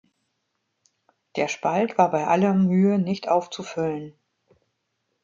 Der Spalt war bei aller Mühe nicht aufzufüllen.